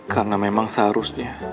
karena memang seharusnya